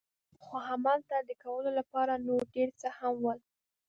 خو همالته د کولو لپاره نور ډېر څه هم ول.